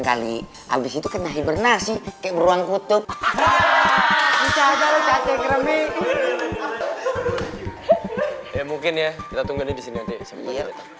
hari habis itu kena hibernasi keberuan kutub ya mungkin ya kita tunggu disini